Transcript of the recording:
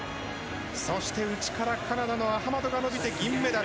そして、内からカナダのアハマドが伸びて銀メダル。